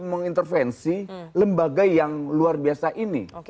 mengintervensi lembaga yang luar biasa ini